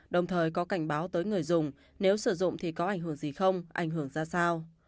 đồng thời có cảnh báo tới người dùng nếu sử dụng thì có ảnh hưởng gì không ảnh hưởng ra sao